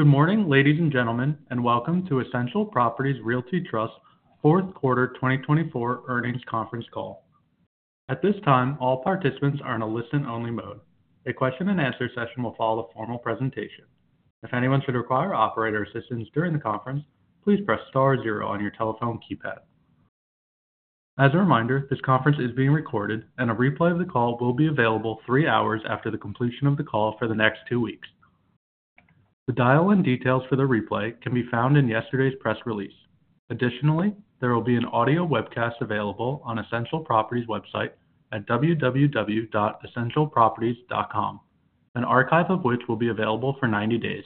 Good morning, ladies and gentlemen, and welcome to Essential Properties Realty Trust Fourth Quarter 2024 Earnings Conference Call. At this time, all participants are in a listen-only mode. A question-and-answer session will follow the formal presentation. If anyone should require operator assistance during the conference, please press star zero on your telephone keypad. As a reminder, this conference is being recorded, and a replay of the call will be available three hours after the completion of the call for the next two weeks. The dial-in details for the replay can be found in yesterday's press release. Additionally, there will be an audio webcast available on Essential Properties' website at www.essentialproperties.com, an archive of which will be available for 90 days.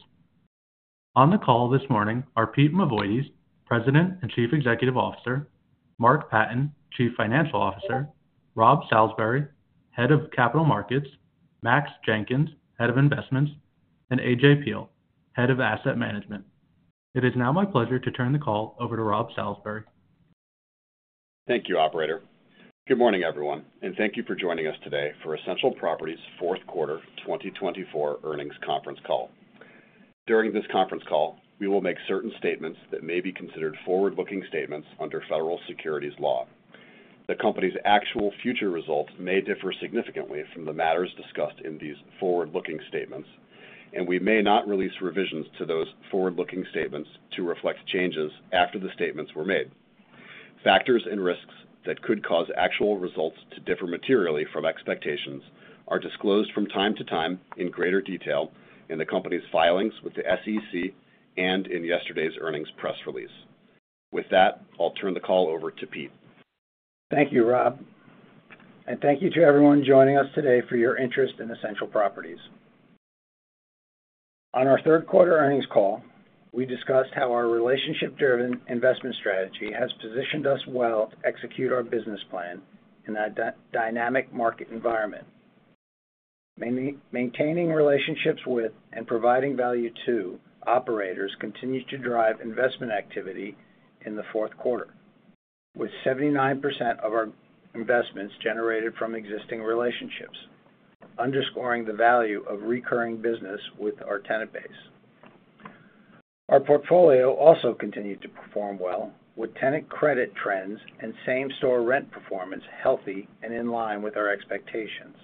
On the call this morning are Pete Mavoides, President and Chief Executive Officer, Mark Patten, Chief Financial Officer, Rob Salisbury, Head of Capital Markets, Max Jenkins, Head of Investments, and AJ Peil, Head of Asset Management. It is now my pleasure to turn the call over to Rob Salisbury. Thank you, Operator. Good morning, everyone, and thank you for joining us today for Essential Properties Realty Trust Fourth Quarter 2024 Earnings Conference Call. During this conference call, we will make certain statements that may be considered forward-looking statements under federal securities law. The company's actual future results may differ significantly from the matters discussed in these forward-looking statements, and we may not release revisions to those forward-looking statements to reflect changes after the statements were made. Factors and risks that could cause actual results to differ materially from expectations are disclosed from time to time in greater detail in the company's filings with the SEC and in yesterday's earnings press release. With that, I'll turn the call over to Pete. Thank you, Rob. And thank you to everyone joining us today for your interest in Essential Properties. On our third quarter earnings call, we discussed how our relationship-driven investment strategy has positioned us well to execute our business plan in that dynamic market environment. Maintaining relationships with and providing value to operators continues to drive investment activity in the fourth quarter, with 79% of our investments generated from existing relationships, underscoring the value of recurring business with our tenant base. Our portfolio also continued to perform well, with tenant credit trends and same-store rent performance healthy and in line with our expectations.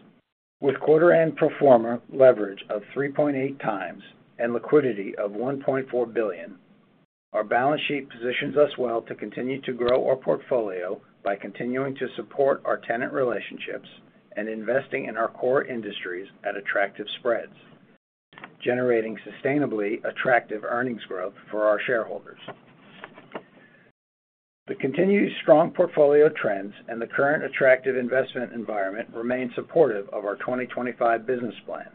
With quarter-end portfolio leverage of 3.8 times and liquidity of $1.4 billion, our balance sheet positions us well to continue to grow our portfolio by continuing to support our tenant relationships and investing in our core industries at attractive spreads, generating sustainably attractive earnings growth for our shareholders. The continued strong portfolio trends and the current attractive investment environment remain supportive of our 2025 business plan.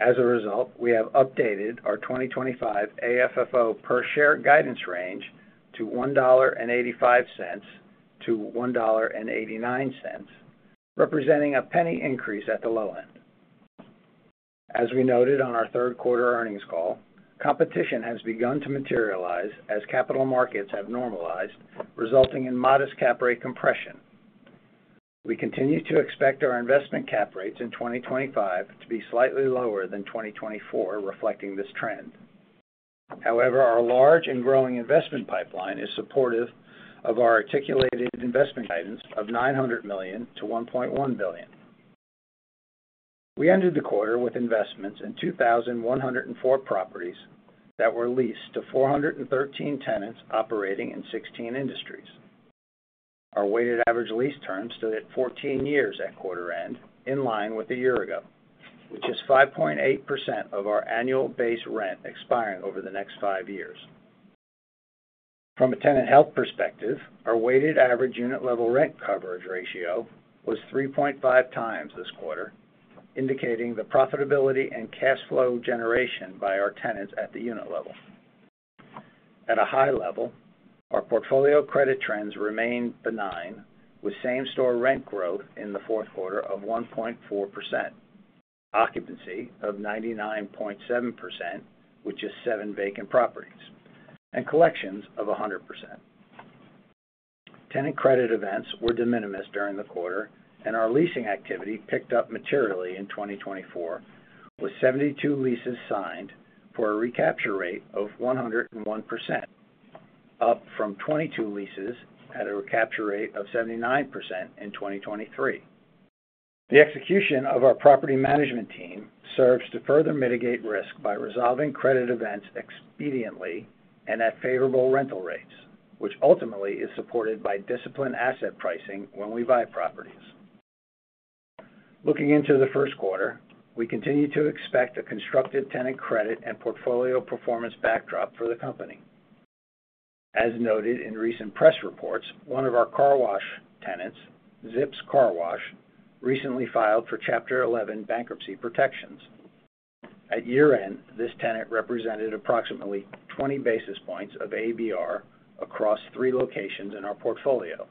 As a result, we have updated our 2025 AFFO per share guidance range to $1.85-$1.89, representing a penny increase at the low end. As we noted on our third quarter earnings call, competition has begun to materialize as capital markets have normalized, resulting in modest cap rate compression. We continue to expect our investment cap rates in 2025 to be slightly lower than 2024, reflecting this trend. However, our large and growing investment pipeline is supportive of our articulated investment guidance of $900 million to $1.1 billion. We ended the quarter with investments in 2,104 properties that were leased to 413 tenants operating in 16 industries. Our weighted average lease term stood at 14 years at quarter end, in line with a year ago, which is 5.8% of our annual base rent expiring over the next five years. From a tenant health perspective, our weighted average unit-level rent coverage ratio was 3.5 times this quarter, indicating the profitability and cash flow generation by our tenants at the unit level. At a high level, our portfolio credit trends remained benign, with same-store rent growth in the fourth quarter of 1.4%, occupancy of 99.7%, which is seven vacant properties, and collections of 100%. Tenant credit events were de minimis during the quarter, and our leasing activity picked up materially in 2024, with 72 leases signed for a recapture rate of 101%, up from 22 leases at a recapture rate of 79% in 2023. The execution of our property management team serves to further mitigate risk by resolving credit events expediently and at favorable rental rates, which ultimately is supported by disciplined asset pricing when we buy properties. Looking into the first quarter, we continue to expect a constructive tenant credit and portfolio performance backdrop for the company. As noted in recent press reports, one of our car wash tenants, Zips Car Wash, recently filed for Chapter 11 bankruptcy protections. At year-end, this tenant represented approximately 20 basis points of ABR across three locations in our portfolio,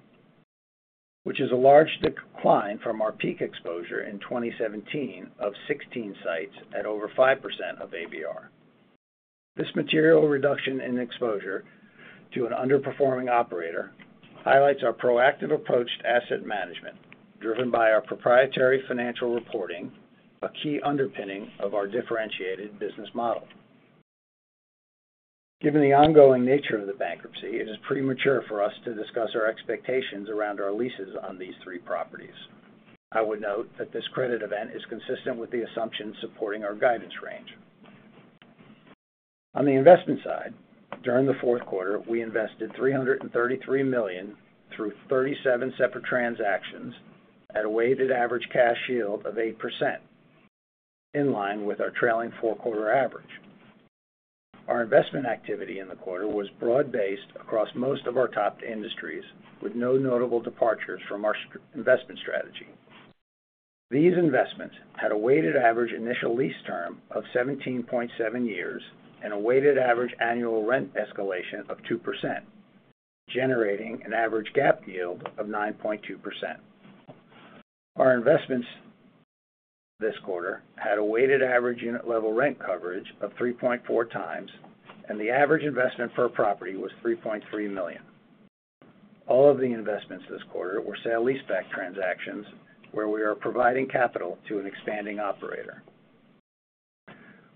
which is a large decline from our peak exposure in 2017 of 16 sites at over 5% of ABR. This material reduction in exposure to an underperforming operator highlights our proactive approach to asset management, driven by our proprietary financial reporting, a key underpinning of our differentiated business model. Given the ongoing nature of the bankruptcy, it is premature for us to discuss our expectations around our leases on these three properties. I would note that this credit event is consistent with the assumptions supporting our guidance range. On the investment side, during the fourth quarter, we invested $333 million through 37 separate transactions at a weighted average cash yield of 8%, in line with our trailing four-quarter average. Our investment activity in the quarter was broad-based across most of our top industries, with no notable departures from our investment strategy. These investments had a weighted average initial lease term of 17.7 years and a weighted average annual rent escalation of 2%, generating an average GAAP yield of 9.2%. Our investments this quarter had a weighted average unit-level rent coverage of 3.4 times, and the average investment per property was $3.3 million. All of the investments this quarter were sale-leaseback transactions, where we are providing capital to an expanding operator.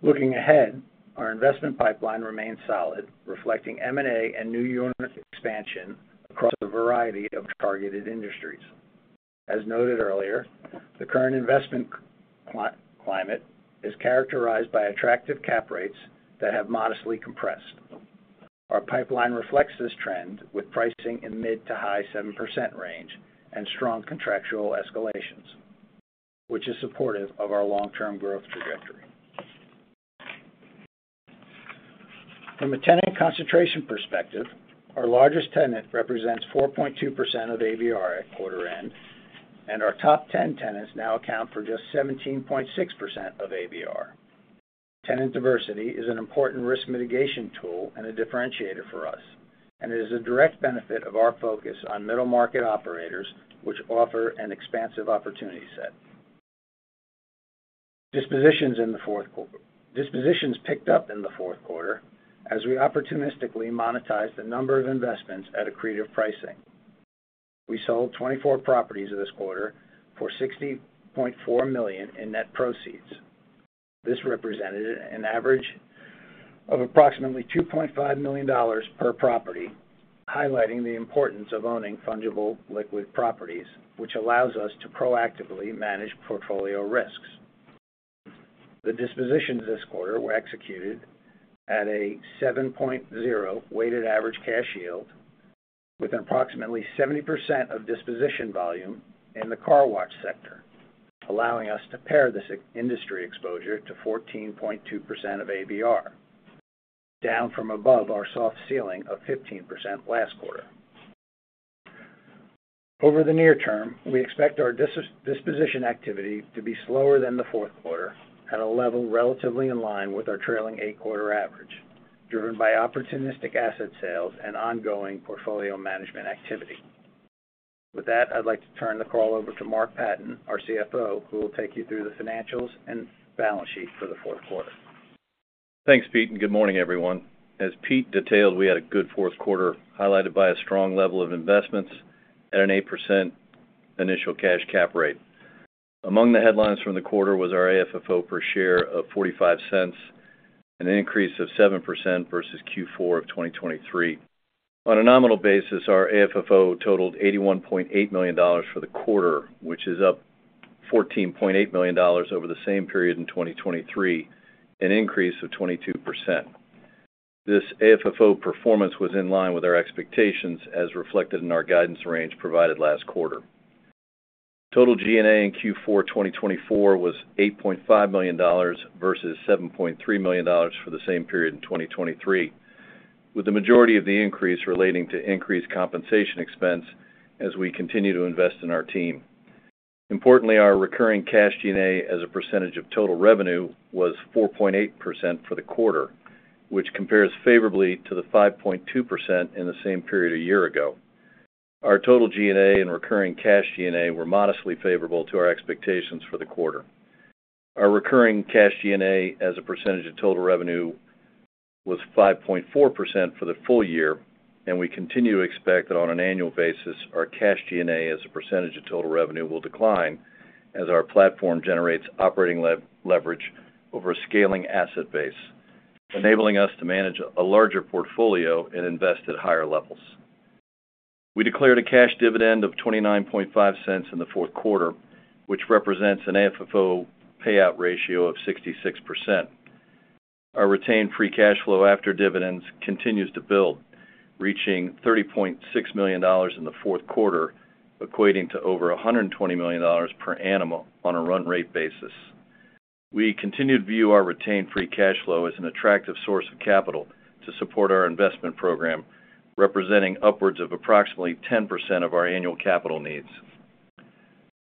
Looking ahead, our investment pipeline remains solid, reflecting M&A and new unit expansion across a variety of targeted industries. As noted earlier, the current investment climate is characterized by attractive cap rates that have modestly compressed. Our pipeline reflects this trend with pricing in the mid- to high-7% range and strong contractual escalations, which is supportive of our long-term growth trajectory. From a tenant concentration perspective, our largest tenant represents 4.2% of ABR at quarter end, and our top 10 tenants now account for just 17.6% of ABR. Tenant diversity is an important risk mitigation tool and a differentiator for us, and it is a direct benefit of our focus on middle-market operators, which offer an expansive opportunity set. Dispositions picked up in the fourth quarter as we opportunistically monetized a number of investments at attractive pricing. We sold 24 properties this quarter for $60.4 million in net proceeds. This represented an average of approximately $2.5 million per property, highlighting the importance of owning fungible liquid properties, which allows us to proactively manage portfolio risks. The dispositions this quarter were executed at a 7.0 weighted average cash yield, with approximately 70% of disposition volume in the car wash sector, allowing us to pare this industry exposure to 14.2% of ABR, down from above our soft ceiling of 15% last quarter. Over the near term, we expect our disposition activity to be slower than the fourth quarter at a level relatively in line with our trailing eight-quarter average, driven by opportunistic asset sales and ongoing portfolio management activity. With that, I'd like to turn the call over to Mark Patten, our CFO, who will take you through the financials and balance sheet for the fourth quarter. Thanks, Pete. And good morning, everyone. As Pete detailed, we had a good fourth quarter highlighted by a strong level of investments at an 8% initial cash cap rate. Among the headlines from the quarter was our AFFO per share of $0.45, an increase of 7% versus Q4 of 2023. On a nominal basis, our AFFO totaled $81.8 million for the quarter, which is up $14.8 million over the same period in 2023, an increase of 22%. This AFFO performance was in line with our expectations, as reflected in our guidance range provided last quarter. Total G&A in Q4 2024 was $8.5 million versus $7.3 million for the same period in 2023, with the majority of the increase relating to increased compensation expense as we continue to invest in our team. Importantly, our recurring cash G&A as a percentage of total revenue was 4.8% for the quarter, which compares favorably to the 5.2% in the same period a year ago. Our total G&A and recurring cash G&A were modestly favorable to our expectations for the quarter. Our recurring cash G&A as a percentage of total revenue was 5.4% for the full year, and we continue to expect that on an annual basis, our cash G&A as a percentage of total revenue will decline as our platform generates operating leverage over a scaling asset base, enabling us to manage a larger portfolio and invest at higher levels. We declared a cash dividend of $0.295 in the fourth quarter, which represents an AFFO payout ratio of 66%. Our retained free cash flow after dividends continues to build, reaching $30.6 million in the fourth quarter, equating to over $120 million per annum on a run rate basis. We continue to view our retained free cash flow as an attractive source of capital to support our investment program, representing upwards of approximately 10% of our annual capital needs.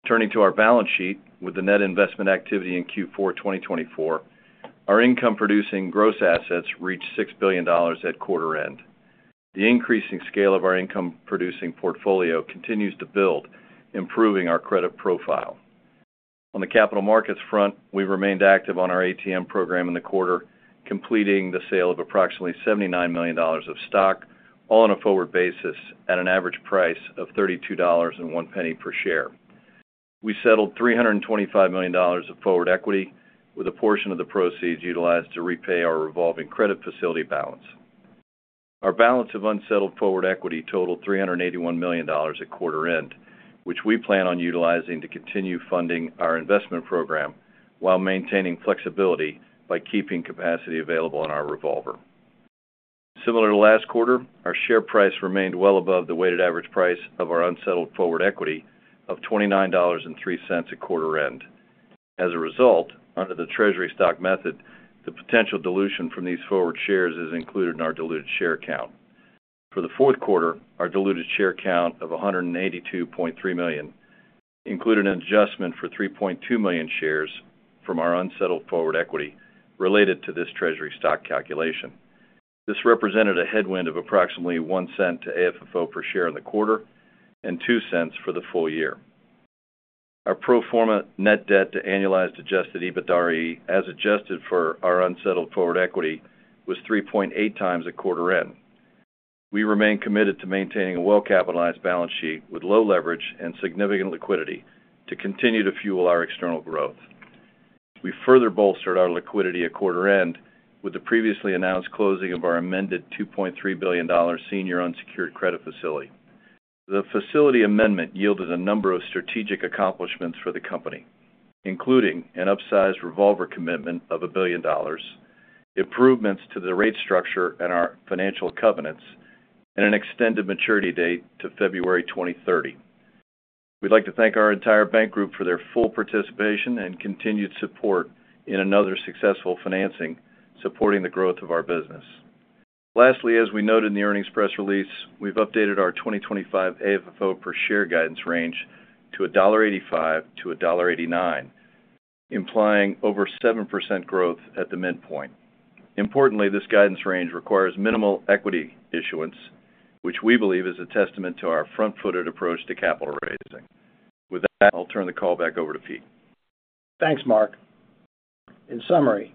Turning to our balance sheet, with the net investment activity in Q4 2024, our income-producing gross assets reached $6 billion at quarter end. The increasing scale of our income-producing portfolio continues to build, improving our credit profile. On the capital markets front, we remained active on our ATM program in the quarter, completing the sale of approximately $79 million of stock, all on a forward basis at an average price of $32.01 per share. We settled $325 million of forward equity, with a portion of the proceeds utilized to repay our revolving credit facility balance. Our balance of unsettled forward equity totaled $381 million at quarter end, which we plan on utilizing to continue funding our investment program while maintaining flexibility by keeping capacity available on our revolver. Similar to last quarter, our share price remained well above the weighted average price of our unsettled forward equity of $29.03 at quarter end. As a result, under the treasury stock method, the potential dilution from these forward shares is included in our diluted share count. For the fourth quarter, our diluted share count of 182.3 million included an adjustment for 3.2 million shares from our unsettled forward equity related to this treasury stock calculation. This represented a headwind of approximately $0.01 to AFFO per share in the quarter and $0.02 for the full year. Our pro forma net debt to annualized Adjusted EBITDA, as adjusted for our unsettled forward equity, was 3.8 times at quarter end. We remain committed to maintaining a well-capitalized balance sheet with low leverage and significant liquidity to continue to fuel our external growth. We further bolstered our liquidity at quarter end with the previously announced closing of our amended $2.3 billion senior unsecured credit facility. The facility amendment yielded a number of strategic accomplishments for the company, including an upsized revolver commitment of $1 billion, improvements to the rate structure and our financial covenants, and an extended maturity date to February 2030. We'd like to thank our entire bank group for their full participation and continued support in another successful financing supporting the growth of our business. Lastly, as we noted in the earnings press release, we've updated our 2025 AFFO per share guidance range to $1.85-$1.89, implying over 7% growth at the midpoint. Importantly, this guidance range requires minimal equity issuance, which we believe is a testament to our front-footed approach to capital raising. With that, I'll turn the call back over to Pete. Thanks, Mark. In summary,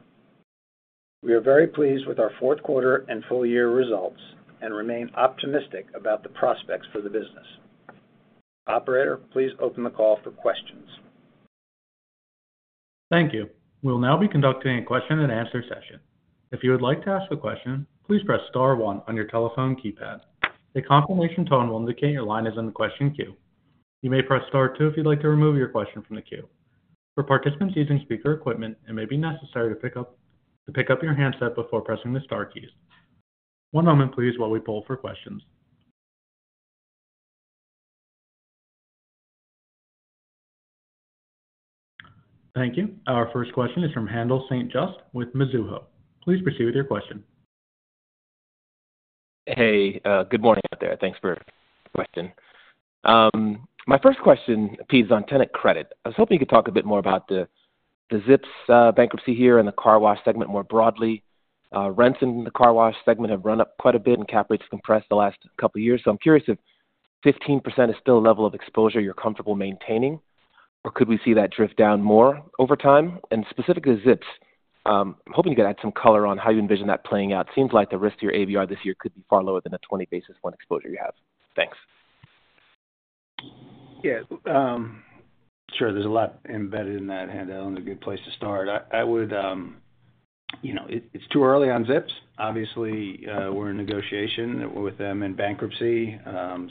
we are very pleased with our fourth quarter and full-year results and remain optimistic about the prospects for the business. Operator, please open the call for questions. Thank you. We'll now be conducting a question-and-answer session. If you would like to ask a question, please press Star 1 on your telephone keypad. A confirmation tone will indicate your line is in the question queue. You may press Star 2 if you'd like to remove your question from the queue. For participants using speaker equipment, it may be necessary to pick up your handset before pressing the Star keys. One moment, please, while we pull for questions. Thank you. Our first question is from Haendel St. Juste with Mizuho. Please proceed with your question. Hey, good morning out there. Thanks for the question. My first question, Pete, is on tenant credit. I was hoping you could talk a bit more about the Zips bankruptcy here and the car wash segment more broadly. Rents in the car wash segment have run up quite a bit, and cap rates have compressed the last couple of years. So I'm curious if 15% is still a level of exposure you're comfortable maintaining, or could we see that drift down more over time? And specifically Zips, I'm hoping you could add some color on how you envision that playing out. It seems like the risk to your ABR this year could be far lower than the 20 basis point exposure you have. Thanks. Yeah. Sure. There's a lot embedded in that, Haendel. A good place to start. It's too early on Zips. Obviously, we're in negotiation with them in bankruptcy.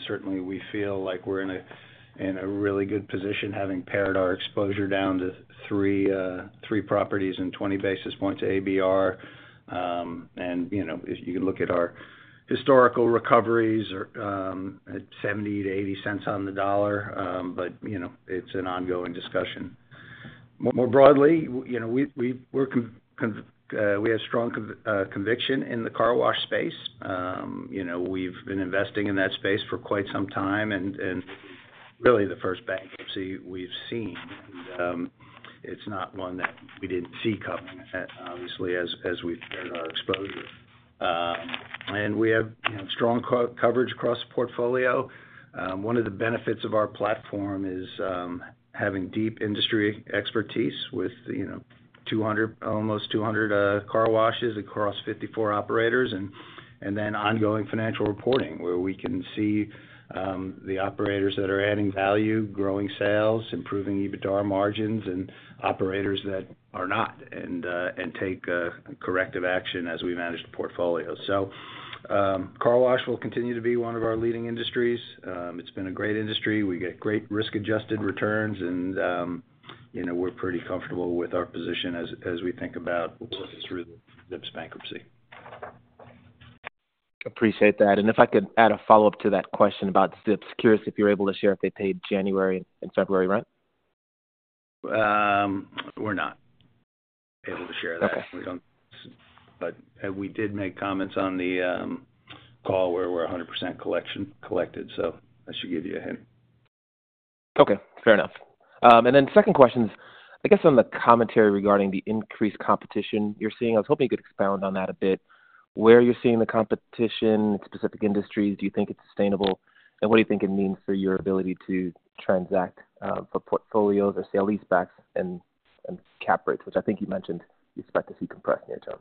Certainly, we feel like we're in a really good position, having pared our exposure down to three properties and 20 basis points of ABR. And you can look at our historical recoveries at 0.7-0.8 on the dollar, but it's an ongoing discussion. More broadly, we have strong conviction in the car wash space. We've been investing in that space for quite some time and really the first bankruptcy we've seen. And it's not one that we didn't see coming, obviously, as we've pared our exposure. And we have strong coverage across the portfolio. One of the benefits of our platform is having deep industry expertise with almost 200 car washes across 54 operators, and then ongoing financial reporting where we can see the operators that are adding value, growing sales, improving EBITDA margins, and operators that are not, and take corrective action as we manage the portfolio. So car wash will continue to be one of our leading industries. It's been a great industry. We get great risk-adjusted returns, and we're pretty comfortable with our position as we think about working through the Zips bankruptcy. Appreciate that. And if I could add a follow-up to that question about Zips, curious if you're able to share if they paid January and February rent? We're not able to share that. But we did make comments on the call where we're 100% collected, so that should give you a hint. Okay. Fair enough. And then second questions, I guess on the commentary regarding the increased competition you're seeing. I was hoping you could expound on that a bit. Where you're seeing the competition in specific industries? Do you think it's sustainable? And what do you think it means for your ability to transact for portfolios or sale-leasebacks and cap rates, which I think you mentioned you expect to see compressed near term?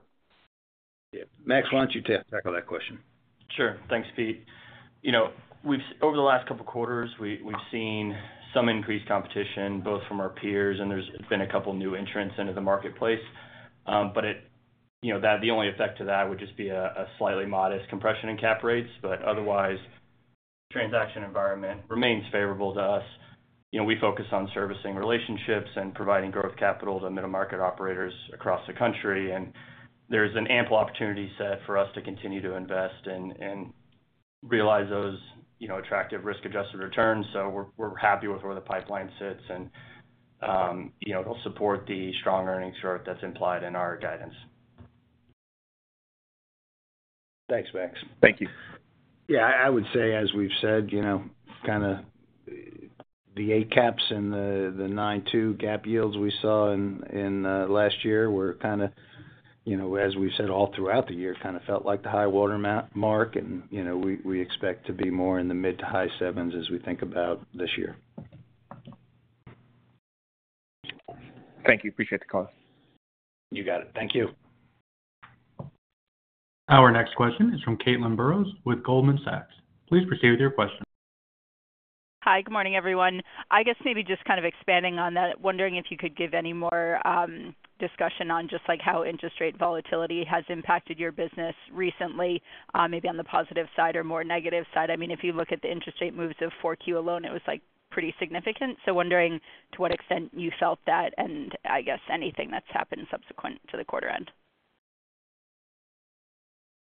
Yeah. Max, why don't you tackle that question? Sure. Thanks, Pete. Over the last couple of quarters, we've seen some increased competition both from our peers, and there's been a couple of new entrants into the marketplace. But the only effect of that would just be a slightly modest compression in cap rates. But otherwise, the transaction environment remains favorable to us. We focus on servicing relationships and providing growth capital to middle-market operators across the country. And there's an ample opportunity set for us to continue to invest and realize those attractive risk-adjusted returns. So we're happy with where the pipeline sits, and it'll support the strong earnings growth that's implied in our guidance. Thanks, Max. Thank you. Yeah. I would say, as we've said, kind of the cap rates and the 9.2% GAAP yields we saw in last year were kind of, as we've said all throughout the year, kind of felt like the high watermark, and we expect to be more in the mid- to high sevens as we think about this year. Thank you. Appreciate the call. You got it. Thank you. Our next question is from Caitlin Burrows with Goldman Sachs. Please proceed with your question. Hi. Good morning, everyone. I guess maybe just kind of expanding on that, wondering if you could give any more discussion on just how interest rate volatility has impacted your business recently, maybe on the positive side or more negative side. I mean, if you look at the interest rate moves of 4Q alone, it was pretty significant. So wondering to what extent you felt that and, I guess, anything that's happened subsequent to the quarter end.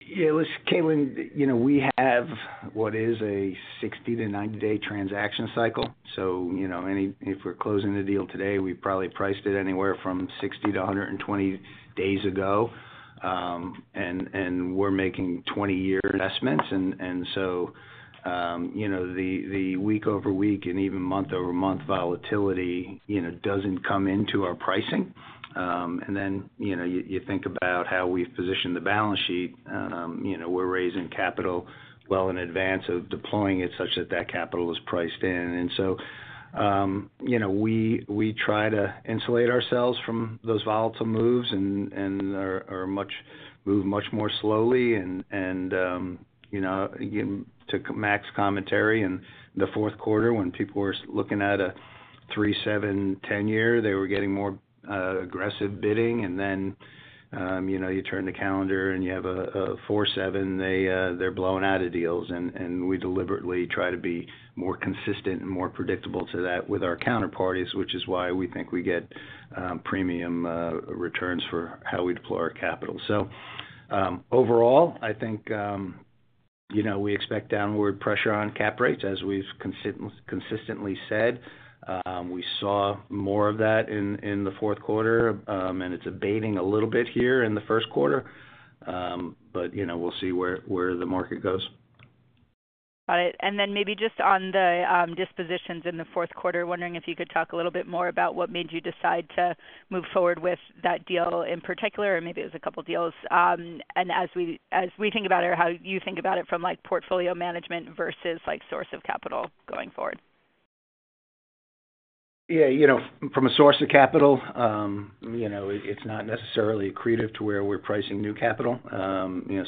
Yeah. It was Caitlin. We have what is a 60- to 90-day transaction cycle. So if we're closing a deal today, we probably priced it anywhere from 60-120 days ago. And we're making 20-year investments. And so the week-over-week and even month-over-month volatility doesn't come into our pricing. And then you think about how we've positioned the balance sheet. We're raising capital well in advance of deploying it such that that capital is priced in. And so we try to insulate ourselves from those volatile moves and move much more slowly. And to Max's commentary, in the fourth quarter, when people were looking at a 3.7% 10-year, they were getting more aggressive bidding. And then you turn the calendar and you have a 4.7%, they're blown out of deals. And we deliberately try to be more consistent and more predictable to that with our counterparties, which is why we think we get premium returns for how we deploy our capital. So overall, I think we expect downward pressure on cap rates, as we've consistently said. We saw more of that in the fourth quarter, and it's abating a little bit here in the first quarter. But we'll see where the market goes. Got it. And then maybe just on the dispositions in the fourth quarter, wondering if you could talk a little bit more about what made you decide to move forward with that deal in particular, or maybe it was a couple of deals. And as we think about it or how you think about it from portfolio management versus source of capital going forward. Yeah. From a source of capital, it's not necessarily accretive to where we're pricing new capital.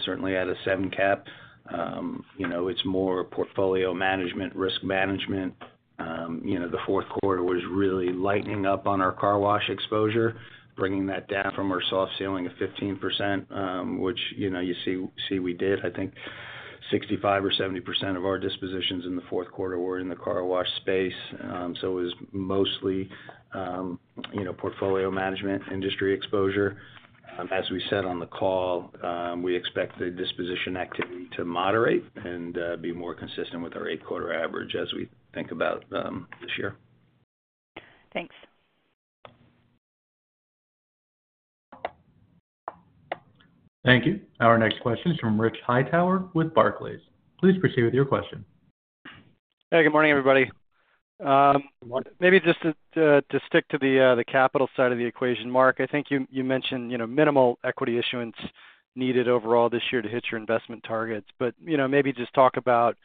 Certainly, at a 7 cap, it's more portfolio management, risk management. The fourth quarter was really lightening up on our car wash exposure, bringing that down from our soft ceiling of 15%, which you see we did. I think 65% or 70% of our dispositions in the fourth quarter were in the car wash space. So it was mostly portfolio management, industry exposure. As we said on the call, we expect the disposition activity to moderate and be more consistent with our eight-quarter average as we think about this year. Thanks. Thank you. Our next question is from Rich Hightower with Barclays. Please proceed with your question. Hey, good morning, everybody. Good morning. Maybe just to stick to the capital side of the equation, Mark. I think you mentioned minimal equity issuance needed overall this year to hit your investment targets. But maybe just talk about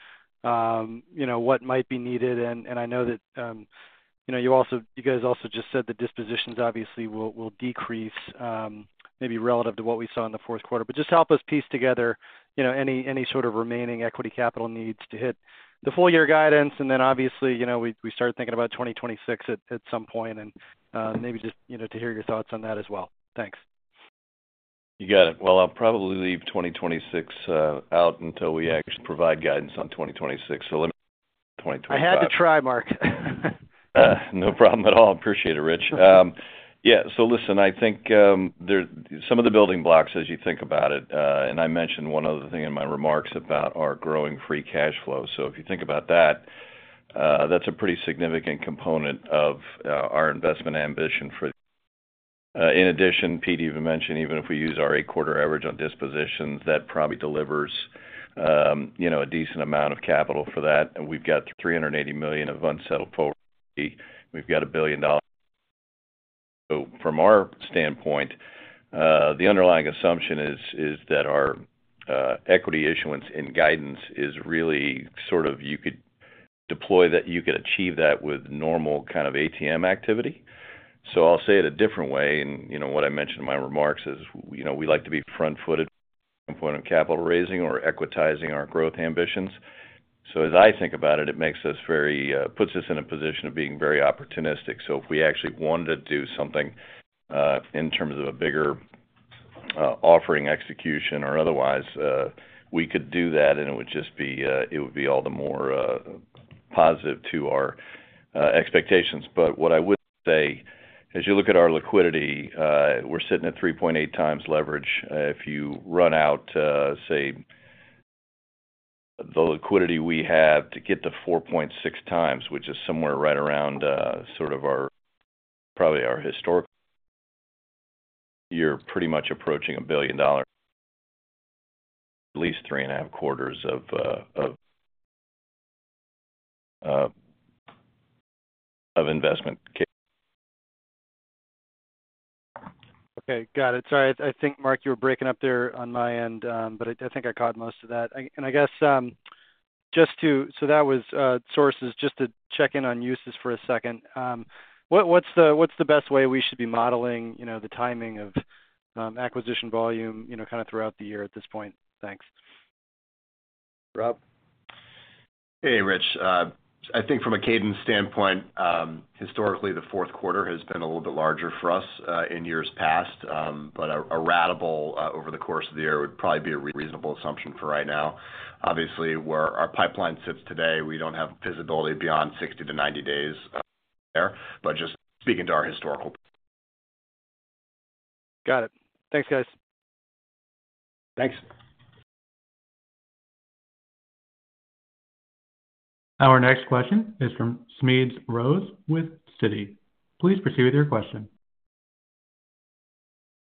what might be needed. And I know that you guys also just said the dispositions, obviously, will decrease maybe relative to what we saw in the fourth quarter. But just help us piece together any sort of remaining equity capital needs to hit the full-year guidance. And then, obviously, we started thinking about 2026 at some point. And maybe just to hear your thoughts on that as well. Thanks. You got it. Well, I'll probably leave 2026 out until we actually provide guidance on 2026. So let me 2025. I had to try, Mark. No problem at all. Appreciate it, Rich. Yeah. So listen, I think some of the building blocks, as you think about it, and I mentioned one other thing in my remarks about our growing free cash flow. So if you think about that, that's a pretty significant component of our investment ambition for in addition, Pete, you've mentioned even if we use our eight-quarter average on dispositions, that probably delivers a decent amount of capital for that. And we've got $380 million of unsettled deals. We've got $1 billion. So from our standpoint, the underlying assumption is that our equity issuance in guidance is really sort of you could deploy that you could achieve that with normal kind of ATM activity. So I'll say it a different way. What I mentioned in my remarks is we like to be front-footed from a point of capital raising or equitizing our growth ambitions. As I think about it, it makes us very puts us in a position of being very opportunistic. If we actually wanted to do something in terms of a bigger offering execution or otherwise, we could do that, and it would just be all the more positive to our expectations. What I would say, as you look at our liquidity, we're sitting at 3.8 times leverage. If you run out, say, the liquidity we have to get to 4.6 times, which is somewhere right around sort of our probably our historical, you're pretty much approaching $1 billion, at least three and a half quarters of investment. Okay. Got it. Sorry. I think, Mark, you were breaking up there on my end, but I think I caught most of that. And I guess just to so that was sources. Just to check in on uses for a second, what's the best way we should be modeling the timing of acquisition volume kind of throughout the year at this point? Thanks. Rob? Hey, Rich. I think from a cadence standpoint, historically, the fourth quarter has been a little bit larger for us in years past. But a ratable over the course of the year would probably be a reasonable assumption for right now. Obviously, where our pipeline sits today, we don't have visibility beyond 60 to 90 days there. But just speaking to our historical. Got it. Thanks, guys. Thanks. Our next question is from Smedes Rose with Citi. Please proceed with your question.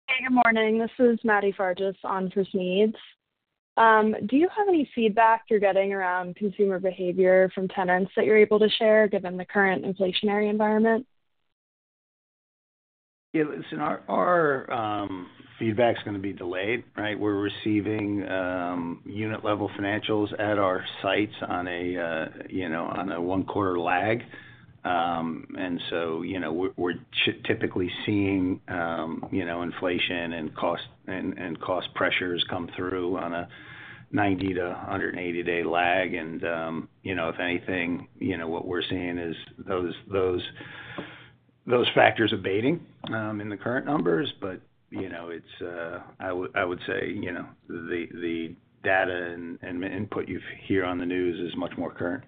Hey, good morning. This is Maddie Fargis on for Smedes. Do you have any feedback you're getting around consumer behavior from tenants that you're able to share given the current inflationary environment? Yeah. Listen, our feedback's going to be delayed, right? We're receiving unit-level financials at our sites on a one-quarter lag. And so we're typically seeing inflation and cost pressures come through on a 90-180-day lag. And if anything, what we're seeing is those factors abating in the current numbers. But I would say the data and input you hear on the news is much more current.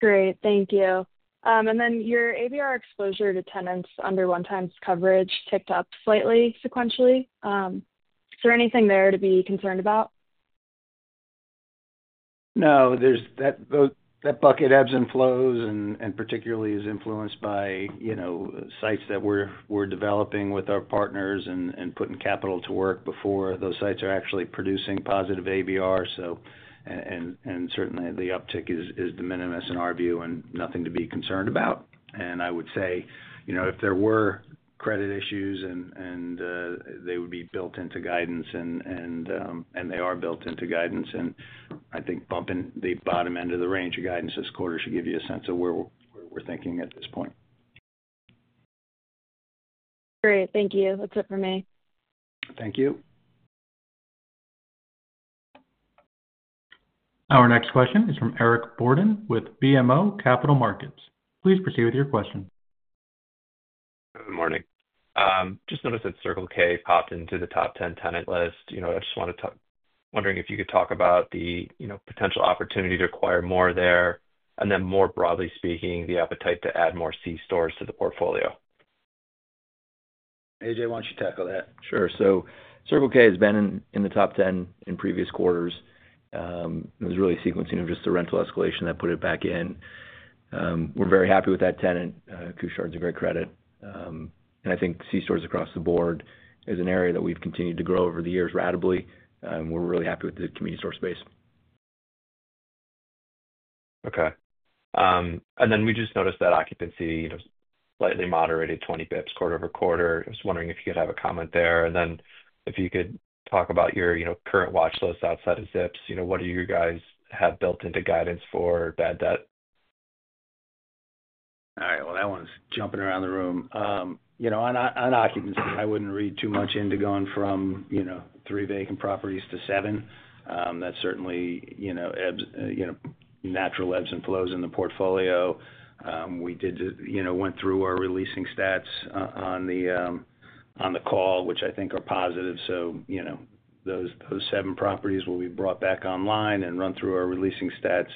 Great. Thank you. And then your ABR exposure to tenants under one-times coverage ticked up slightly sequentially. Is there anything there to be concerned about? No. That bucket ebbs and flows, and particularly is influenced by sites that we're developing with our partners and putting capital to work before those sites are actually producing positive ABR, and certainly, the uptick is de minimis in our view and nothing to be concerned about, and I would say if there were credit issues, they would be built into guidance, and they are built into guidance, and I think bumping the bottom end of the range of guidance this quarter should give you a sense of where we're thinking at this point. Great. Thank you. That's it for me. Thank you. Our next question is from Eric Borden with BMO Capital Markets. Please proceed with your question. Good morning. Just noticed that Circle K popped into the top 10 tenant list. I just wanted to wondering if you could talk about the potential opportunity to acquire more there, and then more broadly speaking, the appetite to add more C-stores to the portfolio. AJ, why don't you tackle that? Sure. So Circle K has been in the top 10 in previous quarters. It was really sequencing of just the rental escalation that put it back in. We're very happy with that tenant. Couche-Tard's a great credit. And I think C-stores across the board is an area that we've continued to grow over the years ratably. And we're really happy with the convenience store space. Okay. Then we just noticed that occupancy slightly moderated 20 basis points quarter over quarter. I was wondering if you could have a comment there. Then if you could talk about your current watch list outside of Zips, what do you guys have built into guidance for bad debt? All right. That one's jumping around the room. On occupancy, I wouldn't read too much into going from three vacant properties to seven. That's certainly natural ebbs and flows in the portfolio. We went through our re-leasing stats on the call, which I think are positive. Those seven properties will be brought back online and run through our re-leasing stats.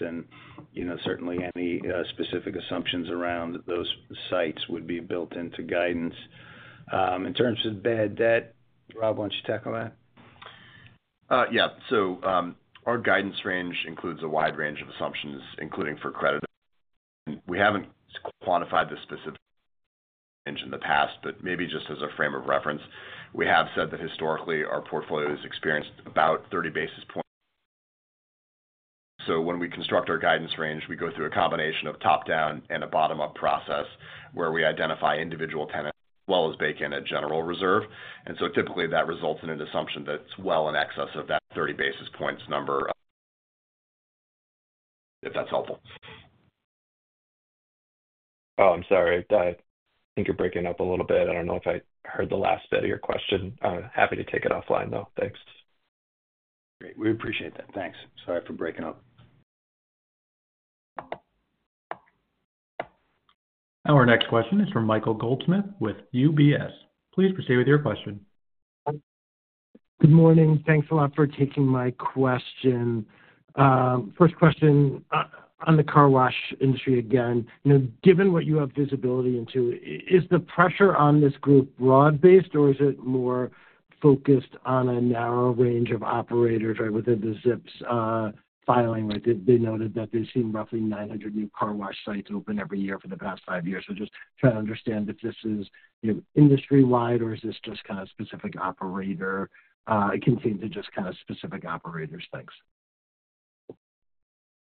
Certainly, any specific assumptions around those sites would be built into guidance. In terms of bad debt, Rob, why don't you tackle that? Yeah. Our guidance range includes a wide range of assumptions, including for credit. We haven't quantified this specific range in the past, but maybe just as a frame of reference, we have said that historically, our portfolio has experienced about 30 basis points. So when we construct our guidance range, we go through a combination of top-down and a bottom-up process where we identify individual tenants as well as bake in a general reserve. And so typically, that results in an assumption that's well in excess of that 30 basis points number, if that's helpful. Oh, I'm sorry. I think you're breaking up a little bit. I don't know if I heard the last bit of your question. Happy to take it offline, though. Thanks. Great. We appreciate that. Thanks. Sorry for breaking up. Our next question is from Michael Goldsmith with UBS. Please proceed with your question. Good morning. Thanks a lot for taking my question. First question on the car wash industry again. Given what you have visibility into, is the pressure on this group broad-based, or is it more focused on a narrow range of operators within the Zips filing? They noted that they've seen roughly 900 new car wash sites open every year for the past five years. So just trying to understand if this is industry-wide, or is this just kind of specific operator? It can seem to just kind of specific operators. Thanks.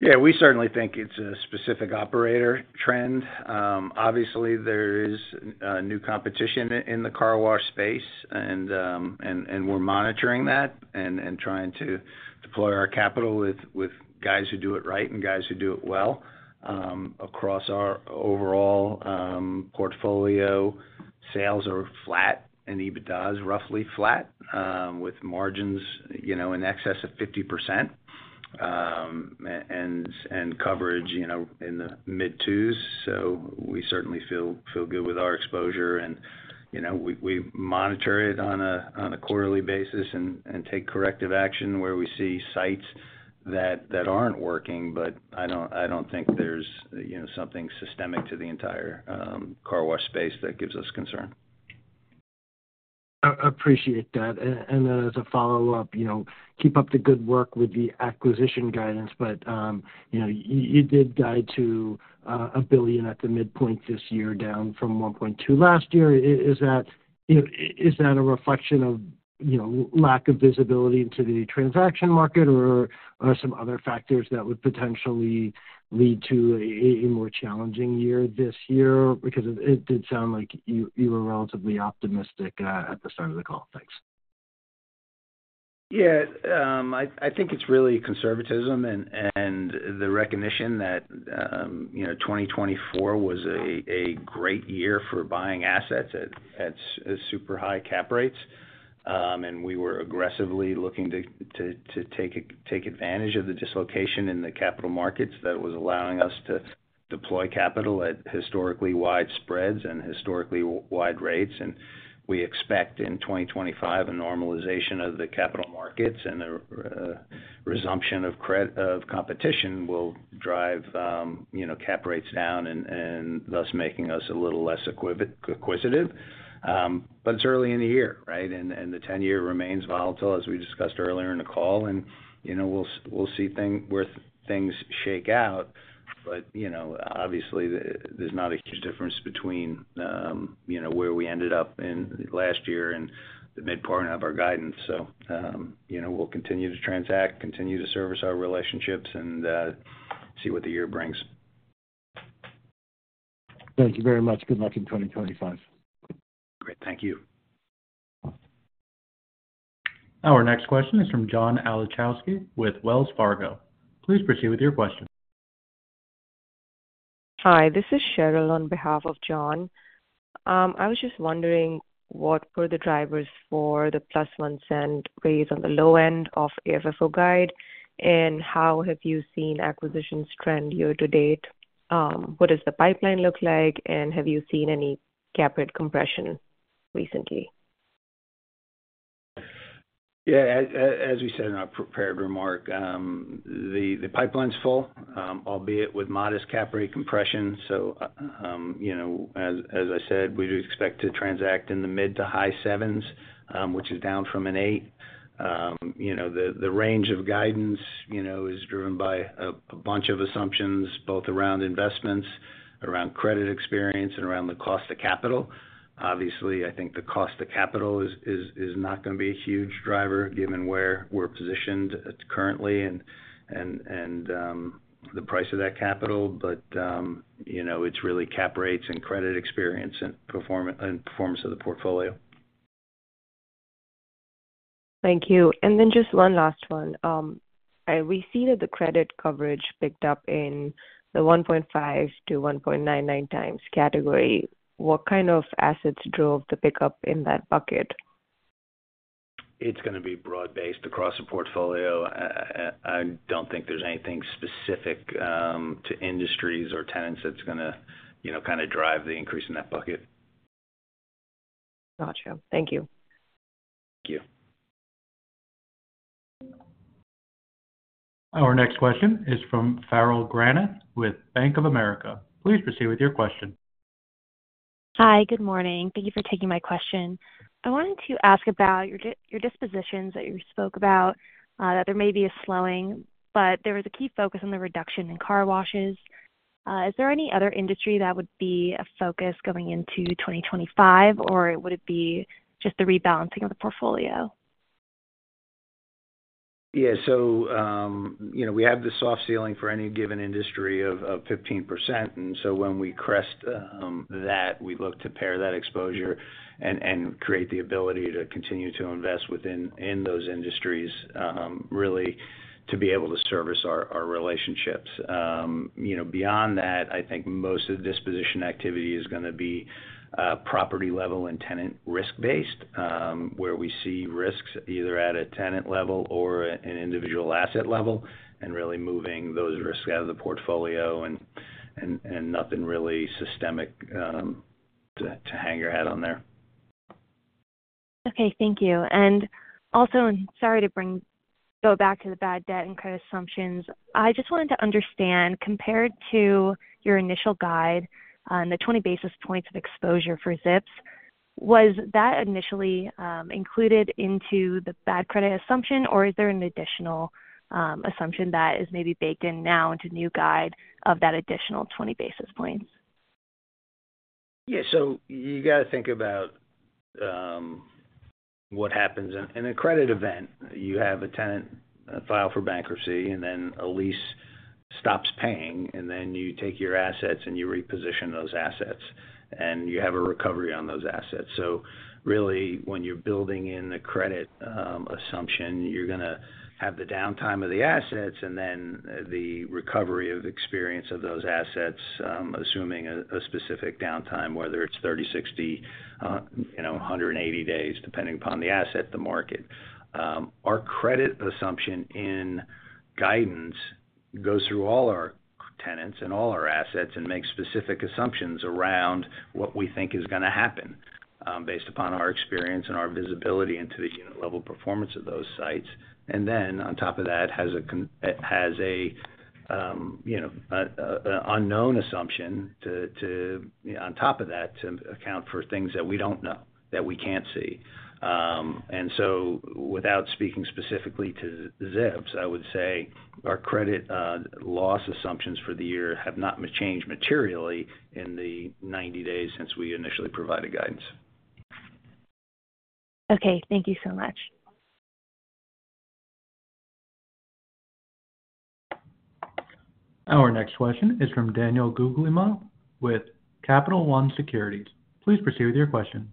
Yeah. We certainly think it's a specific operator trend. Obviously, there is new competition in the car wash space, and we're monitoring that and trying to deploy our capital with guys who do it right and guys who do it well. Across our overall portfolio, sales are flat and EBITDA is roughly flat with margins in excess of 50% and coverage in the mid-twos. So we certainly feel good with our exposure. And we monitor it on a quarterly basis and take corrective action where we see sites that aren't working. But I don't think there's something systemic to the entire car wash space that gives us concern. I appreciate that, and then as a follow-up, keep up the good work with the acquisition guidance, but you did guide to $1 billion at the midpoint this year, down from $1.2 billion last year. Is that a reflection of lack of visibility into the transaction market, or are there some other factors that would potentially lead to a more challenging year this year? Because it did sound like you were relatively optimistic at the start of the call. Thanks. Yeah. I think it's really conservatism and the recognition that 2024 was a great year for buying assets at super high cap rates. And we were aggressively looking to take advantage of the dislocation in the capital markets that was allowing us to deploy capital at historically wide spreads and historically wide rates. And we expect in 2025, a normalization of the capital markets and a resumption of competition will drive cap rates down and thus making us a little less acquisitive. But it's early in the year, right? And the 10-year remains volatile, as we discussed earlier in the call. And we'll see where things shake out. But obviously, there's not a huge difference between where we ended up last year and the midpoint of our guidance. So we'll continue to transact, continue to service our relationships, and see what the year brings. Thank you very much. Good luck in 2025. Great. Thank you. Our next question is from John Kilichowski with Wells Fargo. Please proceed with your question. Hi. This is Cheryl on behalf of John. I was just wondering what were the drivers for the $0.01 raise on the low end of AFFO guide, and how have you seen acquisitions trend year to date? What does the pipeline look like, and have you seen any cap rate compression recently? Yeah. As we said in our prepared remark, the pipeline's full, albeit with modest cap rate compression. So as I said, we do expect to transact in the mid to high sevens, which is down from an eight. The range of guidance is driven by a bunch of assumptions both around investments, around credit experience, and around the cost of capital. Obviously, I think the cost of capital is not going to be a huge driver given where we're positioned currently and the price of that capital. But it's really cap rates and credit experience and performance of the portfolio. Thank you, and then just one last one. I received that the credit coverage picked up in the 1.5-1.99 times category. What kind of assets drove the pickup in that bucket? It's going to be broad-based across the portfolio. I don't think there's anything specific to industries or tenants that's going to kind of drive the increase in that bucket. Gotcha. Thank you. Thank you. Our next question is from Farrell Granath with Bank of America. Please proceed with your question. Hi. Good morning. Thank you for taking my question. I wanted to ask about your dispositions that you spoke about, that there may be a slowing, but there was a key focus on the reduction in car washes. Is there any other industry that would be a focus going into 2025, or would it be just the rebalancing of the portfolio? Yeah. So we have the soft ceiling for any given industry of 15%. And so when we crest that, we look to pare that exposure and create the ability to continue to invest within those industries, really to be able to service our relationships. Beyond that, I think most of the disposition activity is going to be property-level and tenant-risk-based, where we see risks either at a tenant level or an individual asset level and really moving those risks out of the portfolio and nothing really systemic to hang your hat on there. Okay. Thank you. And also, sorry to go back to the bad debt and credit assumptions. I just wanted to understand, compared to your initial guide and the 20 basis points of exposure for Zips, was that initially included into the bad credit assumption, or is there an additional assumption that is maybe baked in now into new guide of that additional 20 basis points? Yeah. So you got to think about what happens. In a credit event, you have a tenant file for bankruptcy, and then a lease stops paying, and then you take your assets and you reposition those assets, and you have a recovery on those assets. So really, when you're building in the credit assumption, you're going to have the downtime of the assets and then the recovery of experience of those assets, assuming a specific downtime, whether it's 30, 60, 180 days, depending upon the asset, the market. Our credit assumption in guidance goes through all our tenants and all our assets and makes specific assumptions around what we think is going to happen based upon our experience and our visibility into the unit-level performance of those sites. And then on top of that, it has an unknown assumption on top of that to account for things that we don't know, that we can't see. And so without speaking specifically to Zips, I would say our credit loss assumptions for the year have not changed materially in the 90 days since we initially provided guidance. Okay. Thank you so much. Our next question is from Daniel Guglielmo with Capital One Securities. Please proceed with your question.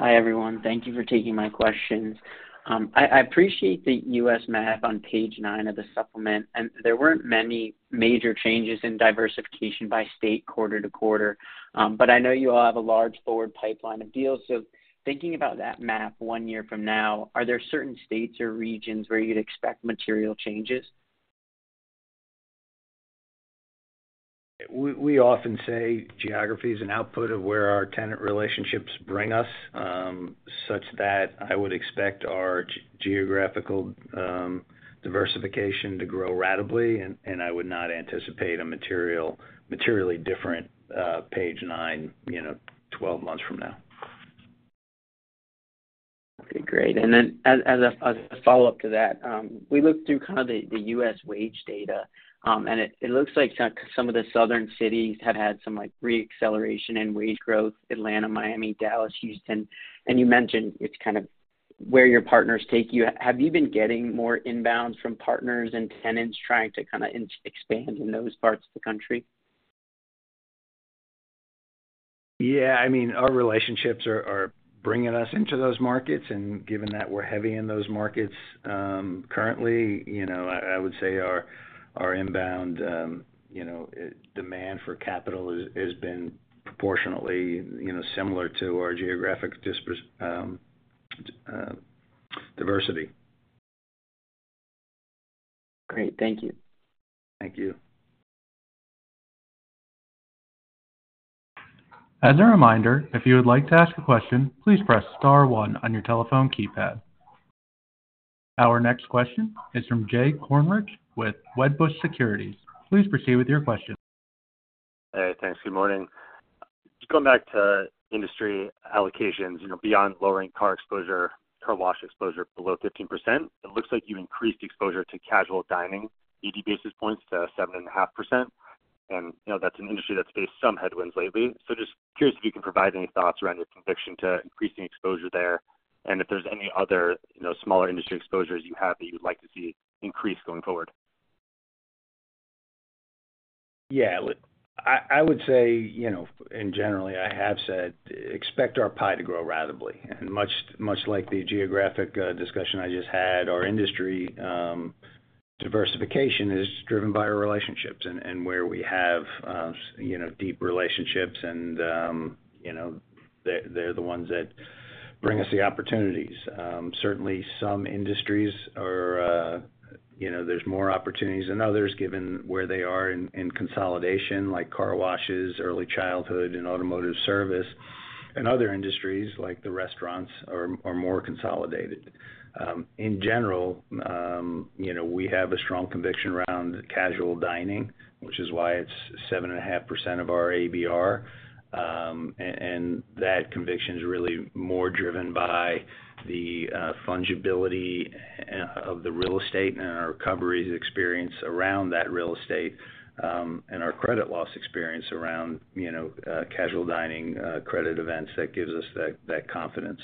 Hi everyone. Thank you for taking my questions. I appreciate the U.S. map on page nine of the supplement. And there weren't many major changes in diversification by state quarter to quarter. But I know you all have a large forward pipeline of deals. So thinking about that map one year from now, are there certain states or regions where you'd expect material changes? We often say geography is an output of where our tenant relationships bring us, such that I would expect our geographical diversification to grow ratably, and I would not anticipate a materially different page nine 12 months from now. Okay. Great. And then as a follow-up to that, we looked through kind of the U.S. wage data. And it looks like some of the southern cities have had some reacceleration in wage growth: Atlanta, Miami, Dallas, Houston. And you mentioned it's kind of where your partners take you. Have you been getting more inbound from partners and tenants trying to kind of expand in those parts of the country? Yeah. I mean, our relationships are bringing us into those markets. And given that we're heavy in those markets currently, I would say our inbound demand for capital has been proportionately similar to our geographic diversity. Great. Thank you. Thank you. As a reminder, if you would like to ask a question, please press star one on your telephone keypad. Our next question is from Jay Kornreich with Wedbush Securities. Please proceed with your question. Hey. Thanks. Good morning. Just going back to industry allocations, beyond lowering car exposure, car wash exposure below 15%, it looks like you increased exposure to casual dining, 80 basis points to 7.5%. And that's an industry that's faced some headwinds lately. So just curious if you can provide any thoughts around your conviction to increasing exposure there. And if there's any other smaller industry exposures you have that you'd like to see increase going forward. Yeah. I would say, and generally, I have said, expect our pie to grow ratably. And much like the geographic discussion I just had, our industry diversification is driven by our relationships and where we have deep relationships. And they're the ones that bring us the opportunities. Certainly, some industries, there's more opportunities than others given where they are in consolidation, like car washes, early childhood, and automotive service. And other industries, like the restaurants, are more consolidated. In general, we have a strong conviction around casual dining, which is why it's 7.5% of our ABR. And that conviction is really more driven by the fungibility of the real estate and our recovery experience around that real estate and our credit loss experience around casual dining credit events that gives us that confidence.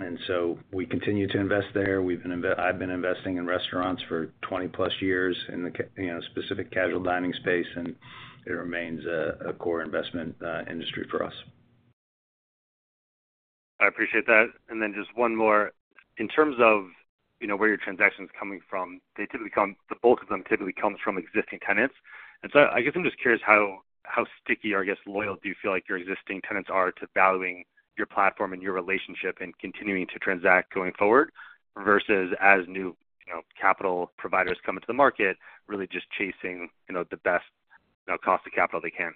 And so we continue to invest there. I've been investing in restaurants for 20+ years in the specific casual dining space and it remains a core investment industry for us. I appreciate that. And then just one more. In terms of where your transaction is coming from, they typically come from existing tenants. And so I guess I'm just curious how sticky, or I guess loyal, do you feel like your existing tenants are to valuing your platform and your relationship and continuing to transact going forward versus as new capital providers come into the market, really just chasing the best cost of capital they can?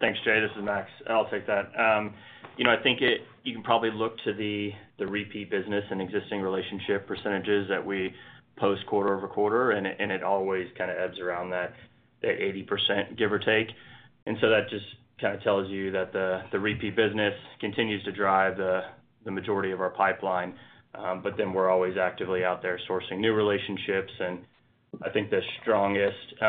Thanks, Jay. This is Max, and I'll take that. I think you can probably look to the repeat business and existing relationship percentages that we post quarter over quarter, and it always kind of ebbs around that 80%, give or take, and so that just kind of tells you that the repeat business continues to drive the majority of our pipeline, but then we're always actively out there sourcing new relationships, and I think the strongest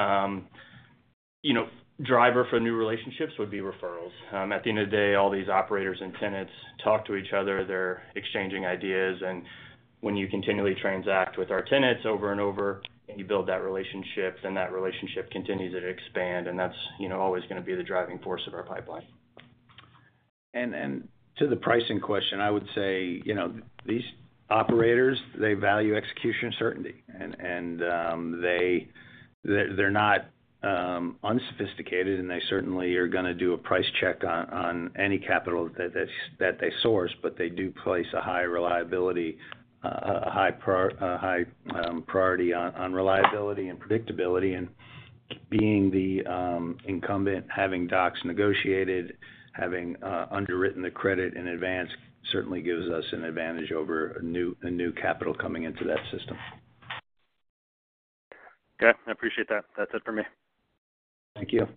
driver for new relationships would be referrals. At the end of the day, all these operators and tenants talk to each other. They're exchanging ideas, and when you continually transact with our tenants over and over and you build that relationship, then that relationship continues to expand, and that's always going to be the driving force of our pipeline. And to the pricing question, I would say these operators, they value execution and certainty. And they're not unsophisticated. And they certainly are going to do a price check on any capital that they source. But they do place a high reliability, a high priority on reliability and predictability. And being the incumbent, having docs negotiated, having underwritten the credit in advance certainly gives us an advantage over a new capital coming into that system. Okay. I appreciate that. That's it for me. Thank you.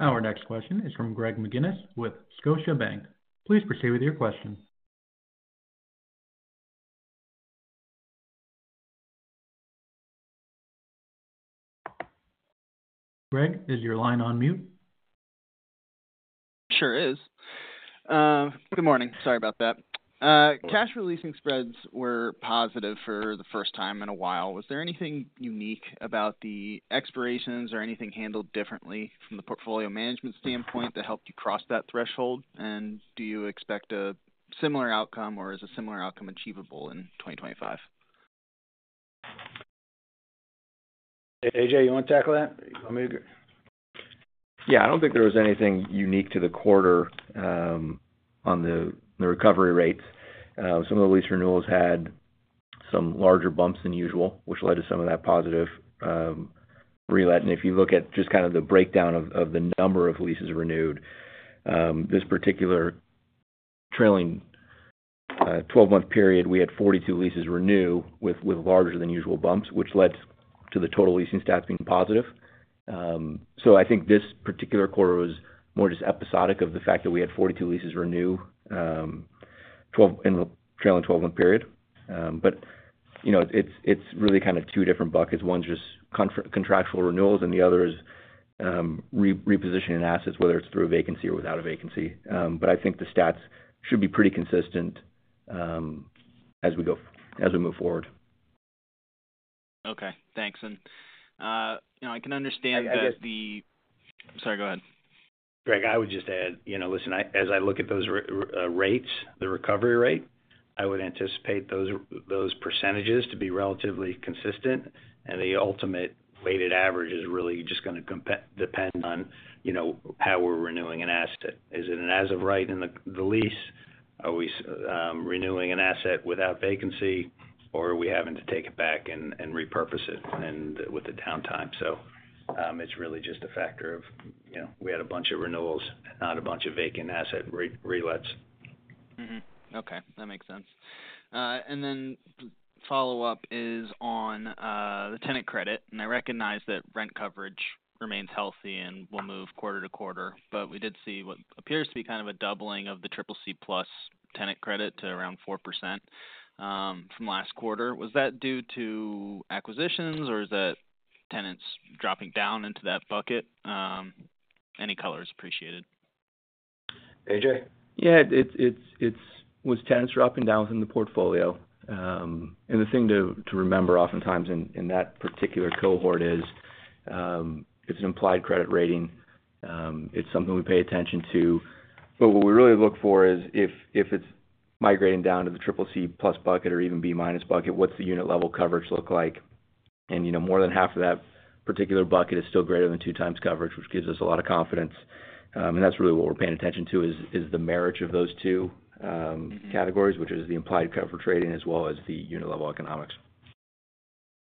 Our next question is from Greg McGinniss with Scotiabank. Please proceed with your question. Greg, is your line on mute? Sure is. Good morning. Sorry about that. Cash re-leasing spreads were positive for the first time in a while. Was there anything unique about the expirations or anything handled differently from the portfolio management standpoint that helped you cross that threshold? And do you expect a similar outcome, or is a similar outcome achievable in 2025? AJ, you want to tackle that? Yeah. I don't think there was anything unique to the quarter on the recovery rates. Some of the lease renewals had some larger bumps than usual, which led to some of that positive re-let, and if you look at just kind of the breakdown of the number of leases renewed, this particular trailing 12-month period, we had 42 leases renew with larger-than-usual bumps, which led to the total leasing stats being positive, so I think this particular quarter was more just episodic of the fact that we had 42 leases renew in the trailing 12-month period, but it's really kind of two different buckets. One's just contractual renewals, and the other is repositioning assets, whether it's through a vacancy or without a vacancy, but I think the stats should be pretty consistent as we move forward. Okay. Thanks. And I can understand that. Sorry, go ahead. Greg, I would just add, listen, as I look at those rates, the recapture rate, I would anticipate those percentages to be relatively consistent. And the ultimate weighted average is really just going to depend on how we're renewing an asset. Is it an as-of-right in the lease? Are we renewing an asset without vacancy, or are we having to take it back and repurpose it with the downtime? So it's really just a factor of we had a bunch of renewals, not a bunch of vacant asset re-lets. Okay. That makes sense. And then follow-up is on the tenant credit. And I recognize that rent coverage remains healthy and will move quarter to quarter. But we did see what appears to be kind of a doubling of the CCC+ tenant credit to around 4% from last quarter. Was that due to acquisitions, or is that tenants dropping down into that bucket? Any color is appreciated. AJ? Yeah. It was tenants dropping down within the portfolio. And the thing to remember oftentimes in that particular cohort is it's an implied credit rating. It's something we pay attention to. But what we really look for is if it's migrating down to the CCC+ bucket or even B- bucket, what's the unit-level coverage look like? And more than half of that particular bucket is still greater than two times coverage, which gives us a lot of confidence. And that's really what we're paying attention to is the marriage of those two categories, which is the implied credit rating as well as the unit-level economics.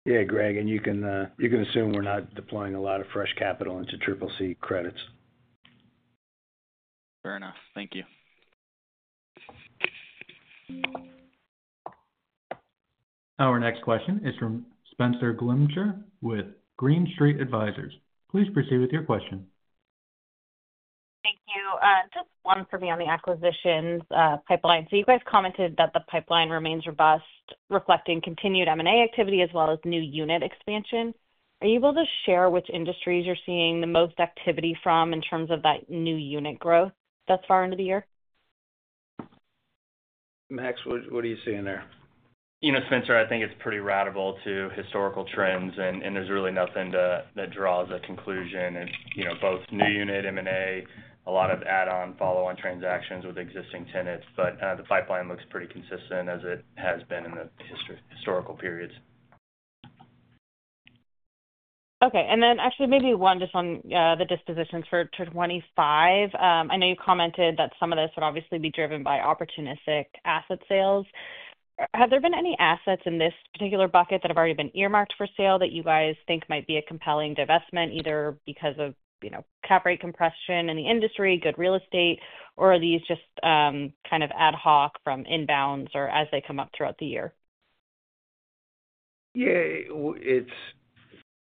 Yeah, Greg. And you can assume we're not deploying a lot of fresh capital into CCC credits. Fair enough. Thank you. Our next question is from Spenser Glimcher with Green Street. Please proceed with your question. Thank you. Just one for me on the acquisitions pipeline. So you guys commented that the pipeline remains robust, reflecting continued M&A activity as well as new unit expansion. Are you able to share which industries you're seeing the most activity from in terms of that new unit growth thus far into the year? Max, what are you seeing there? Spenser, I think it's pretty ratable to historical trends. And there's really nothing that draws a conclusion. Both new unit M&A, a lot of add-on, follow-on transactions with existing tenants. But the pipeline looks pretty consistent as it has been in the historical periods. Okay. And then actually, maybe one just on the dispositions for 2025. I know you commented that some of this would obviously be driven by opportunistic asset sales. Have there been any assets in this particular bucket that have already been earmarked for sale that you guys think might be a compelling divestment, either because of cap rate compression in the industry, good real estate, or are these just kind of ad hoc from inbounds or as they come up throughout the year? Yeah.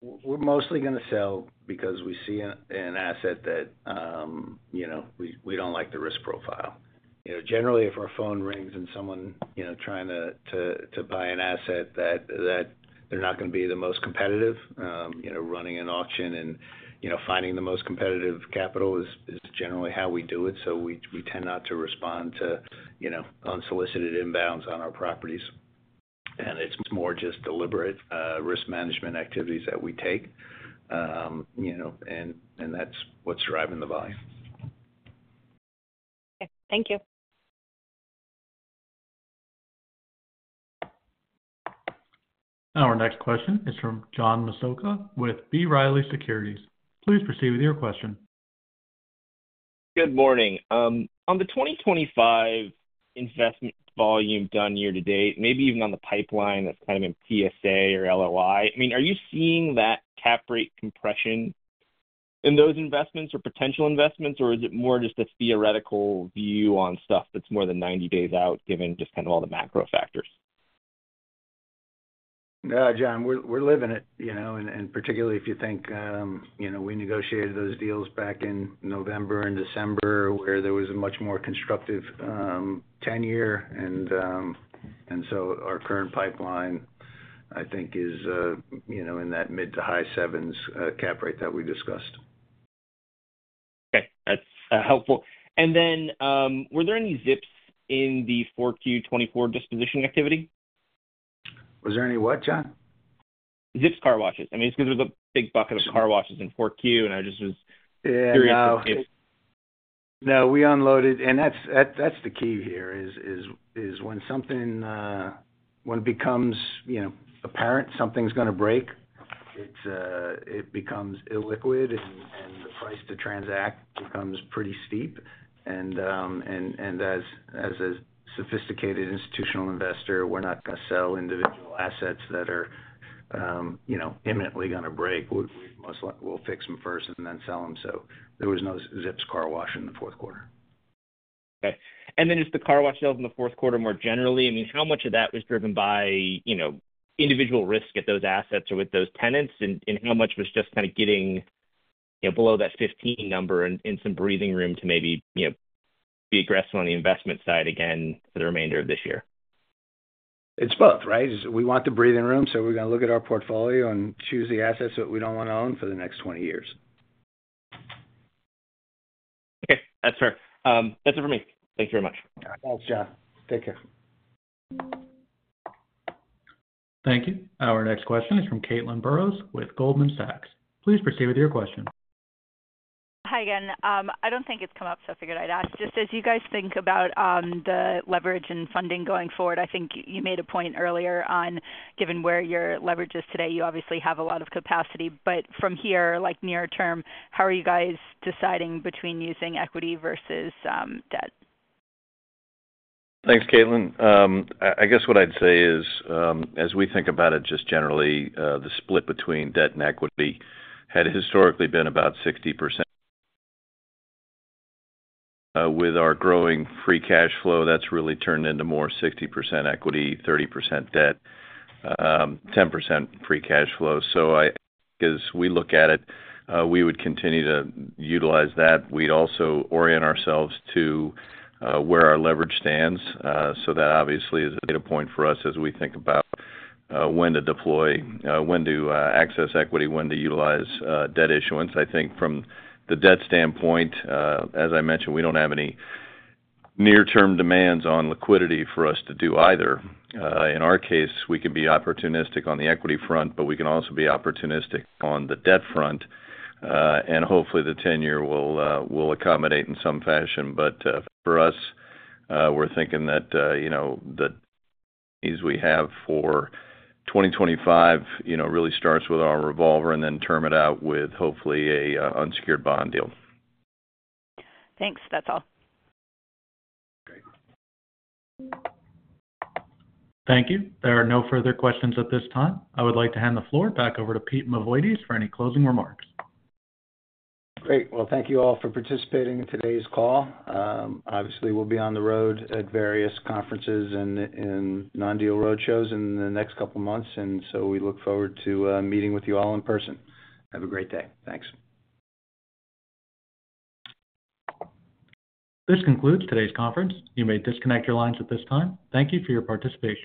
We're mostly going to sell because we see an asset that we don't like the risk profile. Generally, if our phone rings and someone trying to buy an asset, they're not going to be the most competitive. Running an auction and finding the most competitive capital is generally how we do it. So we tend not to respond to unsolicited inbounds on our properties. And it's more just deliberate risk management activities that we take. And that's what's driving the volume. Okay. Thank you. Our next question is from John Massocca with B. Riley Securities. Please proceed with your question. Good morning. On the 2025 investment volume done year to date, maybe even on the pipeline that's kind of in PSA or LOI, I mean, are you seeing that cap rate compression in those investments or potential investments, or is it more just a theoretical view on stuff that's more than 90 days out given just kind of all the macro factors? John, we're living it. And particularly if you think we negotiated those deals back in November and December where there was a much more constructive tenor. And so our current pipeline, I think, is in that mid to high sevens cap rate that we discussed. Okay. That's helpful. And then were there any Zips in the 4Q24 disposition activity? Was there any what, John? Zips car washes. I mean, it's because there's a big bucket of car washes in 4Q. And I just was curious if. No. We unloaded. And that's the key here is when it becomes apparent something's going to break, it becomes illiquid, and the price to transact becomes pretty steep. And as a sophisticated institutional investor, we're not going to sell individual assets that are imminently going to break. We'll fix them first and then sell them. So there was no Zips Car Wash in the fourth quarter. Okay. And then just the car wash sales in the fourth quarter more generally, I mean, how much of that was driven by individual risk at those assets or with those tenants, and how much was just kind of getting below that 15 number and some breathing room to maybe be aggressive on the investment side again for the remainder of this year? It's both, right? We want the breathing room, so we're going to look at our portfolio and choose the assets that we don't want to own for the next 20 years. Okay. That's fair. That's it for me. Thank you very much. Thanks, John. Take care. Thank you. Our next question is from Caitlin Burrows with Goldman Sachs. Please proceed with your question. Hi, again. I don't think it's come up, so I figured I'd ask. Just as you guys think about the leverage and funding going forward, I think you made a point earlier on given where your leverage is today, you obviously have a lot of capacity. But from here, near term, how are you guys deciding between using equity versus debt? Thanks, Caitlin. I guess what I'd say is, as we think about it just generally, the split between debt and equity had historically been about 60%. With our growing free cash flow, that's really turned into more 60% equity, 30% debt, 10% free cash flow. So as we look at it, we would continue to utilize that. We'd also orient ourselves to where our leverage stands. So that obviously is a data point for us as we think about when to deploy, when to access equity, when to utilize debt issuance. I think from the debt standpoint, as I mentioned, we don't have any near-term demands on liquidity for us to do either. In our case, we can be opportunistic on the equity front, but we can also be opportunistic on the debt front, and hopefully, the tenor will accommodate in some fashion. But for us, we're thinking that the needs we have for 2025 really starts with our revolver and then term it out with hopefully an unsecured bond deal. Thanks. That's all. Okay. Thank you. There are no further questions at this time. I would like to hand the floor back over to Pete Mavoides for any closing remarks. Great. Well, thank you all for participating in today's call. Obviously, we'll be on the road at various conferences and non-deal roadshows in the next couple of months. And so we look forward to meeting with you all in person. Have a great day. Thanks. This concludes today's conference. You may disconnect your lines at this time. Thank you for your participation.